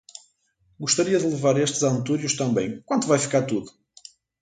Gostaria de levar estes antúrios também. Quanto vai ficar tudo?